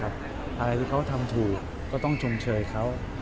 อะไรที่เขาทำถูกก็ต้องชมเชยเขา